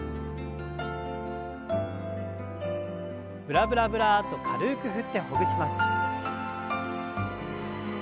ブラブラブラッと軽く振ってほぐします。